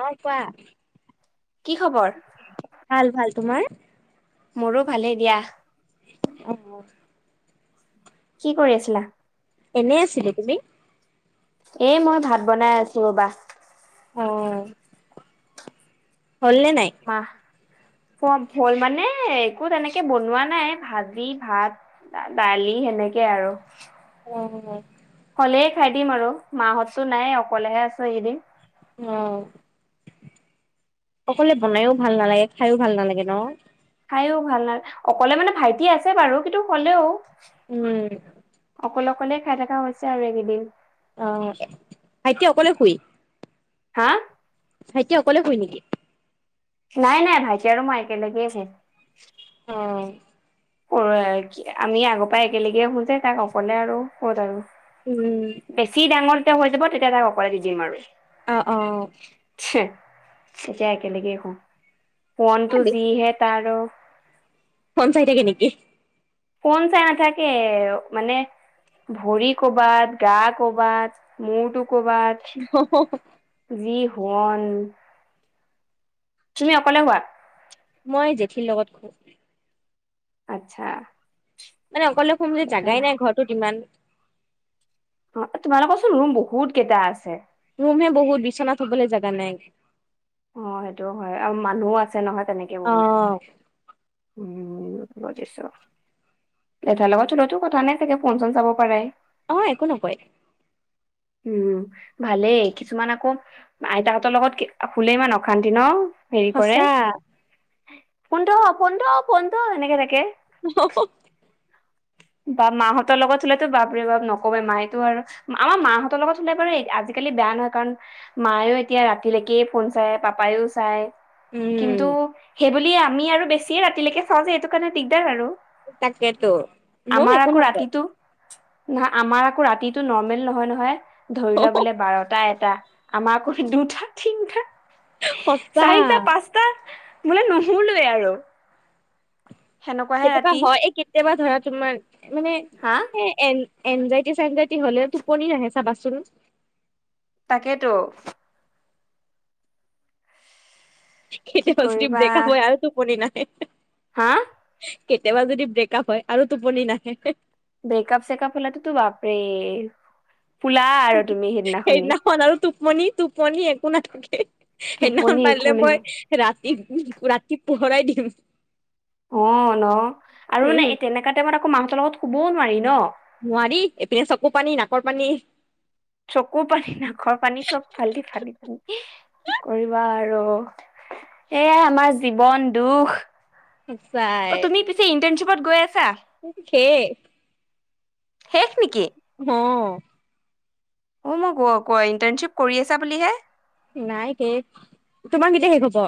অ' কোৱা কি খবৰ? ভাল, ভাল তোমাৰ? মোৰো ভালেই দিয়া। [unintelligible] কি কৰি আছিলা? এনে আছিলোঁ, তুমি? এ, মই ভাত বনাই আছোঁ, ৰ'বা। অ' হ'ল নে নাই? মাহ চব হ'ল‌ মানে, একো তেনেকে বনোৱা নাই ভাজি, ভাত দা-দালি সেনেকে আৰু। অ', একলেই খাই দিম আৰু মাহঁততো নাই, অকলেহে আছোঁ এইকেইদিন। অ', অকলে বনায়ো ভাল নালাগে, খায়ো ভাল নালাগে ন? খাইও ভাল নালা অকলে মানে ভাইটি আছে বাৰু কিন্তু হ'লেওঁ উম, অকলে, অকলে খাই থাকা হৈছে আৰু এইকেইদিন। অ' ভাইটি অকলে শুই? হা? ভাইটী অকলে শুই নেকি? নাই, নাই ভাইটি আৰু মই একেলেগেই শুওঁ। অ', [unintelligible] আমি আগৰ পাই একেলেগেই খোজে তাক অকলে আৰু ক'ত আৰু। উম, বেছি ডাঙৰ [unintelligible] হৈ যাব, তেতিয়া তাক অকলে দি দিম আৰু। অ' অ'। এতিয়া একেলেগেই সো, সোৱনটো বেছি যিহে তাৰ ফোন চাই থাকে নেকি ফোন চাই নাথাকে মানে ভৰি কবাত, গা কবাত, মূৰটো কবাত হ হ হ জি শুৱন তুমি অকলে শুৱা মই জেঠীৰ লগত শুও আচ্ছা। মানে অকলে শুম যে জাগাই নাই ঘৰটোত যিমান অ তোমালোকৰ চোন ৰুম বহুত কেইটা আছে। ৰুম হে বহুত বিচনা থবলে জাগা নাই। অ সেইটো হয় আৰু মানুহো আছে নহয় তেনেকে অ বহুত। উম বুজিছো। [unintelligible] লগতলতো [unintelligible] কথা নাই চাগে ফোন চোন চাব পাৰে। অ একো নকয়। উম ভালেই কিছুমান আকৌ আইতাহঁতৰ লগত শুলে ইমান অশান্তি ন হেৰি কৰে সঁচা ফোন থ ফোন থ ফোন থ এনেকে থাকে। অহ হ, হ, হ। বাপ মাহঁতৰ লগত শুলেতো বাপ ৰে বাপ নকবাই মায়েতো আৰু আমাৰ মাহঁতৰ লগত শুলে বাৰু আজি-কালি বেয়া নহয় কাৰণ মায়েও এতিয়া ৰাতিলৈকে ফোন চাই পাপায়ো চাই উম কিন্তু সে বুলি আমি আৰু বেছিয়ে ৰাতিলৈকে চাওঁ যে এইটো কাৰণে দিগদাৰ আৰু। তাকেতো মোক আমাৰ একো আকৌ নকয়। ৰাতিটো নহয় আমাৰ আকৌ ৰাতিটো নৰ্মেল নহয় নহয় ধৰি লোৱা বোলে বাৰটা, এটা আমাৰ আক দুটা, তিনি টা, সঁচা চাৰিটা, পাঁচটা বোলে নুশুলোৱে আৰু। সেনেকুৱাহে কেতিয়াবা ৰাতি হয়, এই কেতিয়াবা ধৰা তোমাৰ মানে হা এ এন এনজাইটি চেংজাইটি হ'লে টোপনি নাহে চাবাচোন। তাকেইতো। কি কেতিয়াবা যদি কৰিবা ব্ৰেকআপ হয় আৰু টোপনি নাহে। হা কেতিয়াবা যদি ব্ৰেক আপ হয় আৰু টোপনি নাহে। বেকআপ চেকাপ হ'লে টো বাপৰে শুলা আৰু তুমি সেইদিনাখনি। খন আৰু টোপনি টোপনি একো নাথাকে, টোপনি সেইদিনাখন একো পাৰিলে নাই মই ৰাতি পো ৰাতি পোহৰাই দিম। অ ন আৰু মানে উম এ তেনেকা টাইমত আকৌ মাহঁতৰ লগত শুবও নোৱাৰি ন। নোৱাৰি এইপিনে চকু পানী, নাকৰ পানী চকু পানী, নাকৰ পানী চব ফালি ফালি কি কৰিবা আৰু। এয়াই আমাৰ জীৱন দুখ সঁচাই অ তুমি পি ইণ্টাৰ্নশ্বিপত গৈ আছা শেষ শেষ নেকি অ অ' মই গ ক ইণ্টাৰ্ণশ্বিপ কৰি আছা বুলিহে নাই হে তোমাৰ কেতিয়া শেষ হব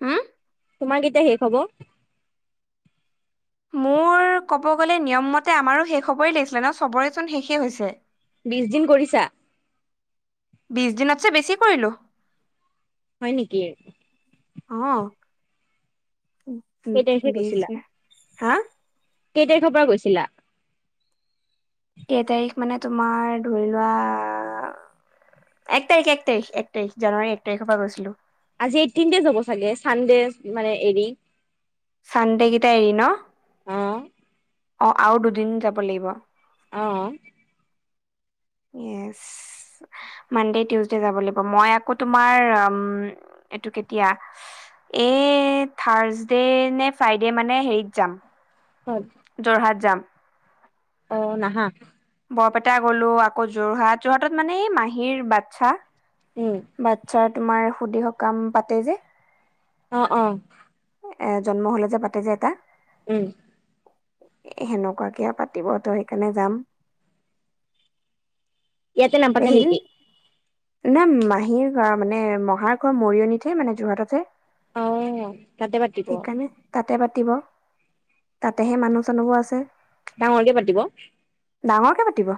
হোম তোমাৰ কেতিয়া শেষ হব মোৰ ক'ব গ'লে নিয়মমতে আমাৰো শেষ হ'বই লাগিছিলে ন চবৰেচোন শেষেই হৈছে বিশ দিন কৰিছা বিশ দিনতছে বেছি কৰিলোঁ হয় নেকি অ কেই তাৰিখে বিছ গৈছিলা? হা কেই তাৰিখৰ পৰা গৈছিলা কেই তাৰিখ মানে তোমাৰ ধৰি লোৱা এক তাৰিখ এক তাৰিখ এক তাৰিখ জানুৱাৰী এক তাৰিখৰ পৰা গৈছিলো আজি এইটিন ডেইচ হব চাগে চানডে মানে এৰি চানদেকেইটা এৰি ন অ অ আৰু দুদিন যাব লাগিব অ য়েছ মানডে টিউচডে যাব লাগিব মই আকৌ তোমাৰ এটো কেতিয়া এই থাৰ্ছডে নে ফ্ৰাইডে মানে হেৰিত যাম হ'ল যোৰহাট যাম অ নাহা বৰপেটা গলো আকৌ যোৰহাট যোৰহাটত মানে এই মাহীৰ বাচ্ছা উম বাচ্ছাৰ তোমাৰ সুদি সকাম পাতে যে অ অ এ জন্ম হলে যে পাতে যে এটা উম এ সেনেকুৱা কে পাতিব ত সেইকাৰণে যাম ইয়াতে নাপাতে নেকি নাই মাহীৰ ল'ৰা মানে মহাৰ ঘৰ মৰিয়নিতহে মানে যোৰহাটতহে অ তাতে পাতিব সেইকাৰণে তাতে পাতিব তাতেহে মানুহ চানুহবোৰ আছে ডাঙৰকে পাতিব অ ডাঙৰকে পাতিব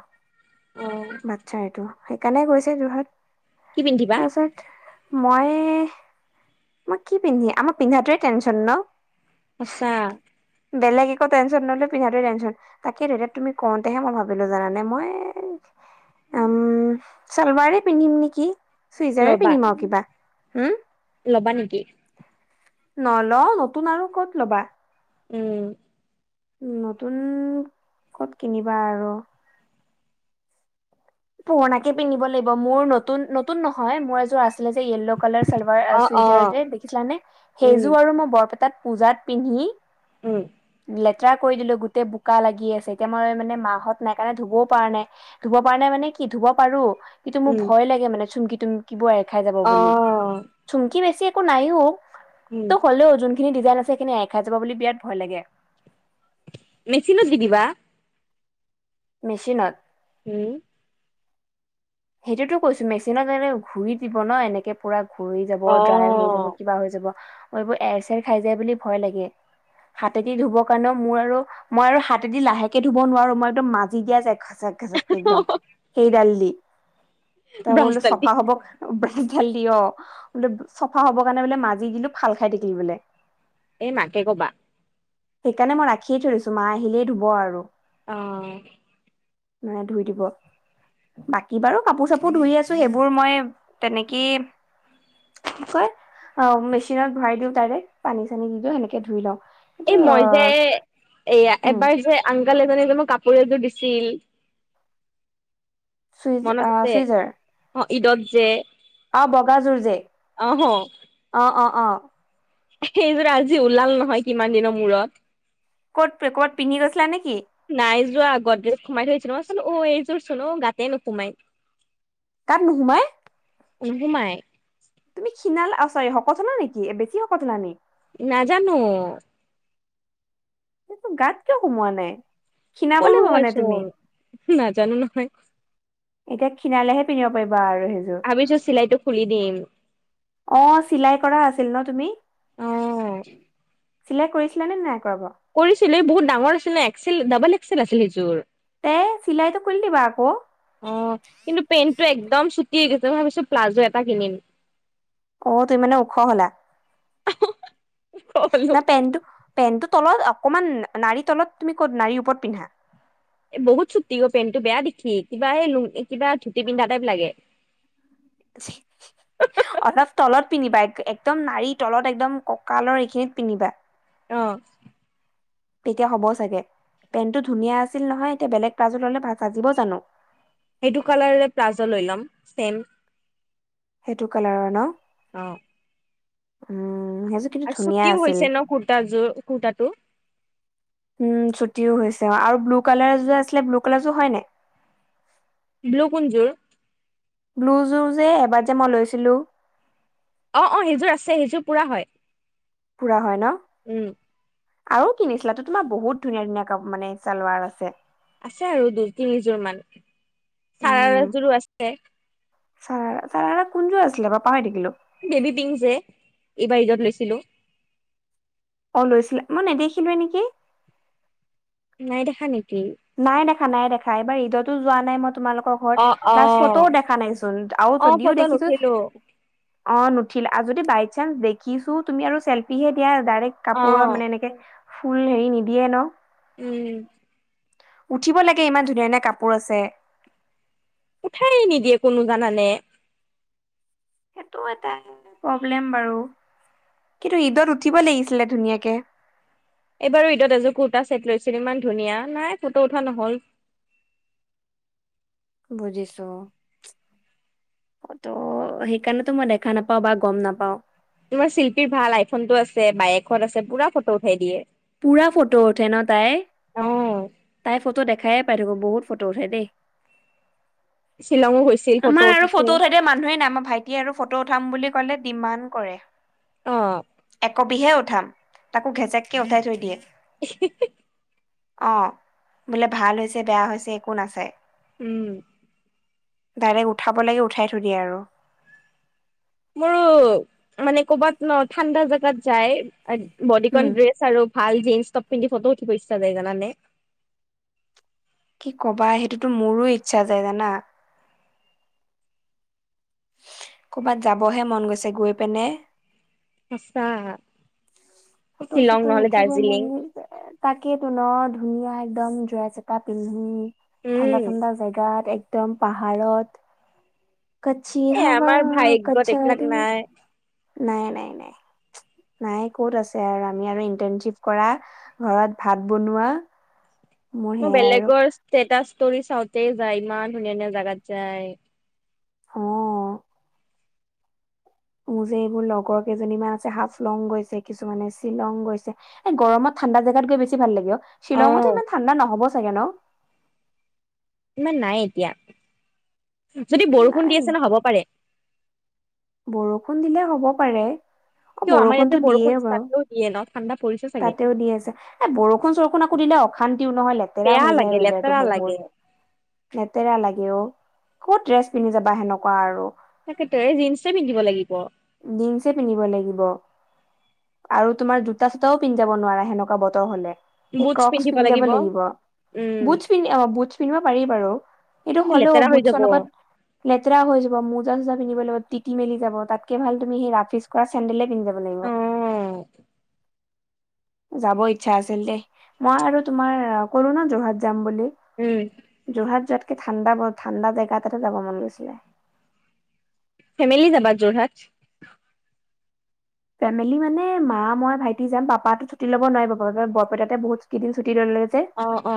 বাচ্ছা এইটো সেইকাৰণে গৈছে যোৰহাট কি পিন্ধিবা তাৰপিছত মই মই কি পিন্ধি আমাৰ পিন্ধাটো ৱে টেনচন ন সঁচা বেলেগ একো টেনচন নললোঁ পিন্ধাটোৱে টেনচন তাকেই দে এতিয়া তুমি কওঁতেহে মই ভাবিলো জাননে মই উম চালৱাৰে পিন্ধিম নেকি চুইজাৰে ল'বা পিন্ধিম আৰু কিবা হম ল'বা নেকি নলোও নতুন আৰু ক'ত ল'বা উম উ নতুন ক'ত কিনিবা আৰু পুৰণাকে পিন্ধিব লাগিব মোৰ নতুন নতুন নহয় মোৰ এযোৰ আছিলে যে ইয়েল্ল কালাৰ অ চালভাৰ অ চুইজাৰ যে দেখিছিলানে উম সেইজো আৰু মই বৰপেটাত পুজাত পিন্ধি ওম লেতেৰা কৰি দিলো গোটেই বোকা লাগি আছে এতিয়া মই মানে মাহঁত নাই কাৰণে মই ধুবও পৰা নাই। ধুব পৰা নাই মানে কি ধুব পাৰো কিন্তু মোৰ উম ভয় লাগে মানে চুমকি তুমকিবোৰ এৰ খাই যাব অ বুলি। চুমকি বেছি একো নাইও উম তো হ'লেও যোন খিনি দিজাইন আছে সেইখিনি এৰাই খাই যাব বুলি বিৰাট ভয় লাগে। মেচিনত দি দিবা। মেচিনত? উ। সেইটোতো কৈছো মেকচিনত মানে ঘূৰি দিব ন এনেকে পুৰা ঘূৰি যাব অ ড্ৰাই হৈ যাব। কিবা হৈ যাব এইবোৰ এৰ চেৰ খাই যায় বুলি ভয় লাগে। হাতেদি ধুব কাৰণেও মোৰ আৰু মই আৰু হাতেদি লাহেকে ধুব নোৱাৰো মই একদম মাজি দিয়া যাই ঘচক ঘচকে একদম সেই দাল দি তাৰ বোলো ব্ৰাছডাল দি চফা হ'ব। ব্ৰাচডাল দি অ বোলো চফা হব কাৰণে বোলে মাজি দিলো ফাল খাই থাকিল বোলে। এ মাকে ক'বা। সেইকাৰণে মই ৰাখিয়ে থৈ দিছো মা আহিলেই ধুব আৰু। অ। মাই ধুই দিব। বাকী বাৰু কাপোৰ চাপোৰ ধুই আছো সেইবোৰ মই তেনেকে কি কয় অ মেচিনত ভৰাই দিও তাৰে পানী চানী দি দিও সেনেকে ধুই লও। এই মই যে এ উম এবাৰ যে আংকল এজনে যে মোক কাপোৰ এযোৰ দিছিল। চুইজ মনত অ আছে চুইজাৰ অ ঈদত যে। অ বগাযোৰ যে, অহ অ অ অ। সেইযোৰ আজি ওলাল নহয় কিমান দিনৰ মূৰত। ক'ত পে ক'ত পিন্ধি গৈছিলা নেকি? নাই যোৱা গডেজ সোমাই থৈছিলো মই অ এইযোৰ চোন অ গাতেই নোসোমাই। গাত নোসোমাই? নোসোমাই। তুমি ক্ষীণালা অ চাগে শকত হ'লা নেকি বেছি শকত হ'লা নি? নাজানো। গাত কিয় সোমোৱা নাই ক্ষীণাব সৰু লাগিব মানে তুমি। হয়চোন নাজানো নহয়। এতিয়া ক্ষীণালেহে পিন্ধিব পাৰিবা আৰু সেইয ভাবিচো চিলাইটো খুলি দিম। অ চিলাই কৰা আছিল ন তুমি? অহ। চিলেই কৰিছিলা নে নাই কৰা বাও? কৰিছিলো বহুত ডাঙৰ আছিল নে এক্সেল ডাবল এক্সেল আছিল সেইযোৰ। এ চিলাইটো খুলি দিবা আক। অ কিন্তু পেণ্টটো একদম চুটি হৈ গৈছে মই ভাবিছো প্লাজো এটা কিনিম। অ তুমি মানে ওখ হ'লা? গলো না পেনটো পেনটো তলত অকমান নাড়ীৰ তলত তুমি ক'ত নাড়ীৰ ওপৰত পিন্ধা? এ বহুত চুটি অ পেণ্টটো বেয়া দেখি কিবা এই লো কিবা ধুতি পিন্ধা টাইপ লাগে। [unintelligible] অলপ তলত পিন্ধিবা একদম নাৰীৰ তলত একদম কঁকালৰ এইখিনিত পিন্ধিবা। অ। তেতিয়া হ'ব চাগে। পেন্টটো ধুনীয়া আছিল নহয় এতিয়া বেলেগ প্লাজো ল'লে সাজিব জানো? সেইটো কালাৰৰে প্লাজো লৈ ল'ম, ছেম। সেইটো কালাৰৰ ন? অ, উম, সেইযো আৰু চুটিও হৈছে ন, কুৰ্তাযোৰ, কুৰ্তাটো। উম, ছুটিও হৈছে আৰু ব্লু কালাৰযোৰ আছিলে, ব্লু কালাৰ যোৰ হয় নে? ব্লু, কোনযোৰ? ব্লু যোৰ যে, এবাৰ যে মই লৈছিলো। অ, অ, সেইযোৰ আছে, সেইযোৰ পুৰা হয়। পুৰা হয় ন? উম আৰু কিনিছিলা টো, তোমাৰ বহুত ধুনীয়া, ধুনীয়া কা, মানে চালৱাৰ আছে। আছে আৰু দুই তিনিযোৰ মান, উম চাৰাযোৰো আছে। চাৰ, চাৰাৰা কোনযোৰ আছিলে বাও, পাহৰি থাকিলো। বেবি পিংক যে, এইবাৰ ঈদত লৈছিলো। অ, লৈছিলা। মই নেদেখিলোৱেই নেকি? নাই দেখা নেকি? নাই দেখা, নাই দেখা, এইবাৰ ঈদতো যোৱা নাই, মই তোমালোকক ঘৰত, অ অ প্লাছ ফটোও দেখা নাই চোন, আৰু অ যদিও ফটো দেখিছো নুঠিলো অ, নুঠিল আৰু যদি বাই চান্স দেখিছো, তুমি আৰু চেল্ফিহে দিয়া ডাইৰেক্ট। অ কাপোৰৰ মানে এনেকে, ফুল হেৰি নিদিয়ে ন, উম, উঠিব লাগে, ইমান ধুনীয়া-ধুনীয়া কাপোৰ আছে। উঠাই নিদিয়ে, কোনো জানানে। সেইটো এটা প্ৰব্লেম বাৰু, কিন্তু ঈদত উঠিব লাগিছিলে, ধুনীয়াকে। এইবাৰো ঈদত এযোৰ কুৰ্তটা ছেট লৈছিলোঁ, ইমান ধুনীয়া। নাই ফটো উঠা নহ'ল। বুজিছো। ফটো, সেইকাৰণেতো মই দেখা নাপাওঁ বা গম নাপাওঁ। তোমাৰ চিল্পীৰ ভাল, আইফোনটো আছে, বাইক হ'ত আছে পুৰা ফটো উঠাই দিয়ে। পূৰা ফটো উঠে ন, তাই? অ' তাই ফটো দেখায়ে পাই থাকো, বহুত ফটো উঠে দেই। শ্বিলঙো গৈছিল ফটো আমাৰ আৰু উঠিছে ফটো থাক মানুহে নাই, আমাৰ ভাইটিয়ে আৰু ফটো উঠাম বুলি ক'লে ডিমাড কৰে। অ, একবিহে উঠাম, তাকো ঘেচেককে, উঠাই থৈ দিয়ে। [unintelligible] অ, বোলে ভাল হৈছে, বেয়া হৈছে, একো নাচায়। উম, ডাইৰেক্ট উঠাব লাগ, উঠাই থৈ দিয়ে আৰু। মোৰ মানে ক'বাত ন, ঠাণ্ডা জেগাত যায়, বডিকন উম। ড্ৰেছ আৰু ভাল জিনছ, টপ পিন্ধি ফটো উঠিব ইচ্ছা যায় জানানে। কি কবা, সেইটোতো মোৰো ইচ্ছা যায় জানা। ক'ৰবাত যাবহে মন গৈছে, গৈ পেনে। সঁচা শ্বিলং ফটো-চটো নহ'লে উঠিব দাৰ্জিলিং মন এই তাকেই টোন ক, ধুনীয়া একদম ড্ৰেছ এটা পিন্ধি। উম ঠাণ্ডা, ঠাণ্ডা জেগাত একদম পাহাৰত। কচ্ছি এ হাৱা আমাৰ ভাগ্যত কচ্ছা এইবিলাক ধুৱা নাই নাই নাই নাই নাই ক'ত আছে আৰু আমি আৰু ইন্টাৰনশ্বিপ কৰা ঘৰত ভাত বনোৱা মোৰ মই সেয়াই আৰু বেলেগৰ ষ্টেটাচ ষ্টৰি চাওঁতে যায় ইমান ধুনীয়া ধুনীয়া জেগাত যায় অ মোৰ যে এইবোৰ লগৰ কেইজনীমান আছে হাফ লং গৈছে কিছুমানে শ্বিলং গৈছে এ গৰমত ঠাণ্ডা জেগাত গৈ বেছি ভাল লাগে অ অ' শ্বিলঙতো ইমান ঠাণ্ডা নহ'ব চাগে ন ইমান নাই এতিয়া যদি বৰষুণ নাই দি আছে ন হ'ব পাৰে বৰষুণ দিলে হ'ব পাৰে অ কিয় আমাৰ ইয়াতে বৰষুণতো বৰষুণ দিয়ে বাৰু ষ্টাৰ্টও দিয়ে ন ঠাণ্ডা পৰিছে চাগে তাতেও দি আছে এ বৰষুণ চৰষুণ আকৌ দিলে অ অশান্তিও নহয় লেতেৰা বেয়া হৈ লাগে যায় ৱেডাৰটো লেতেৰা লাগে বহুত লেতেৰা লাগে অ ক'ত ড্ৰেছ পিন্ধি যাবা সেনেকুৱা আৰু তাকেটো জিন্সেটোৱে পিন্ধিব লাগিব জিন্সে পিন্ধিব লাগিব আৰু তোমাৰ জোতা চোতাও পিন্ধি জাব নোৱাৰা সেনেকুৱা বতৰ হলে, সেই বুটছ ক্ৰক্স পিন্ধিব পিন্ধি জাব লাগিব। উম বুটছ পিন্ধ অ বুটছ পিন্ধিব পাৰি বাৰু, সেইটো হলেও লেতেৰা হৈ যাব বুটছৰ লগত লেতেৰা হৈ যাব মৌজা চোজা পিন্ধিব লাগিব তি তিতি মেলি যাব তাতকে ভাল তুমি সেই ৰাফিজ কৰা চেন্দেলে পিন্ধি যাব অ লাগিব। [inaudible] যাব ইচ্ছা আছিল দেই, মই আৰু তোমাৰ কলো ন যোৰহাট যাম বুলি। উম যোৰহাট যোৱাতকে ঠাণ্ডা ব ঠাণ্ডা জেগা এতাতে যাব মন গৈছিলে। ফেমিলি যাবা যোৰহাট? ফেমিলি মানে মা মই ভাইটি যাম পাপাতো ছুটি ল'ব নোৱাৰিব, বৰপেটাতে বহুত কেইদিন ছুটি লৈ ললে যে। অ অ।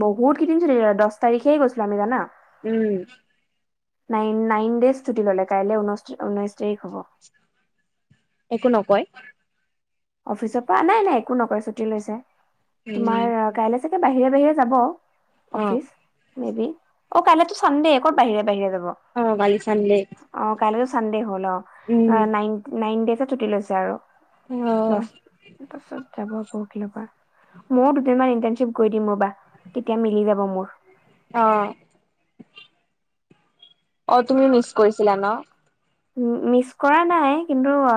বহত কেইদিন চুটি ললে, দছ তাৰিখে গৈছিলো আমি জানা? উম। নাইন নাইন দেইজ ছুটি ল'লে, কাইলে ঊন ঊনৈশ তাৰিখ হ'ব। একো নকয়। অফিচৰ পৰা নাই নাই একো নকয়, ছুটি লৈছে উম তোমাৰ কাইলে চাগে বাহিৰে বাহিৰে যাব অ অফিচ। মেবি অ কাইলেতো চানডে কৰ বাহিৰে বাহিৰে যাব। অ কালি ছানডে অ কাইলেতো চানডে হ'ল অ, নাইন নাইন দেইজৰ ছুটী লৈছে আৰু। অ দছ তাৰপিছত যাব পৰখিলৰ পৰা। ময়ো দুদিনমান ইণ্টাৰ্নশ্বিপ গৈ দিম ৰবা, তেতিয়া মিলি যাব মোৰ। অ। অ তুমি মিচ কৰিছিলা ন? মিছ কৰা নাই কিন্তু অ